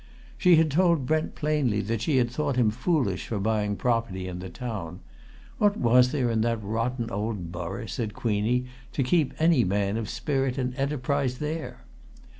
She had told Brent plainly that she thought him foolish for buying property in the town; what was there in that rotten old borough, said Queenie, to keep any man of spirit and enterprise there?